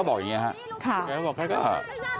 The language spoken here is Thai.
เดี๋ยวให้กลางกินขนม